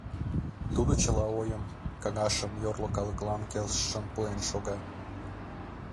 Тудо чыла ойым, каҥашым йорло калыклан келшышын пуэн шога.